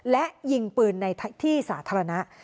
และยิงปืนในที่สาธารณะ